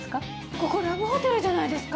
ここラブホテルじゃないですか！